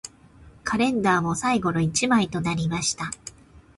カレンダーも最後の一枚となりました